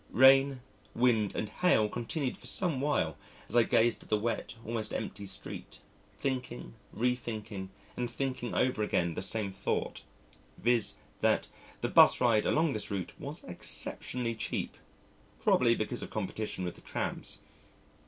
Rain, wind, and hail continued for some while, as I gazed at the wet, almost empty street, thinking, re thinking and thinking over again the same thought, viz., that the 'bus ride along this route was exceptionally cheap probably because of competition with the trams.